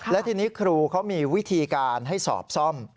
และทีนี้ครูเขามีวิธีการให้สอบซ่อม